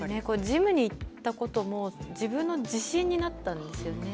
ジムに行ったことも自分の自信になったんですね。